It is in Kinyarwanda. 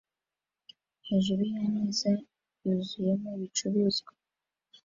hejuru yameza yuzuyemo ibicuruzwa